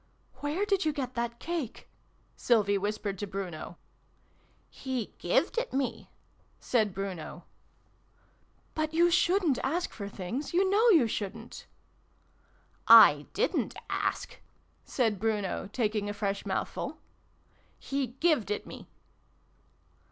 "Where did you get that cake?" Sylvie whispered to Bruno. " He gived it me," said Bruno. " But you shouldn't ask for things ! You know you shouldn't !"" I didrit ask," said Bruno, taking a fresh mouthful :" he gived it me."